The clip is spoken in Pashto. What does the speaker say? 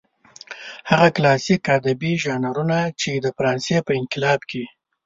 هغه کلاسلیک ادبي ژانرونه چې د فرانسې په انقلاب کې.